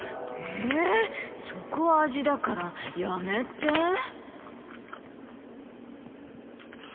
えっそこは味だからやめてっ！